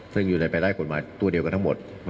ซึ่งอยู่ในแผ่นดินไทยกฎหมายตัวเดียวกันทั้งหมด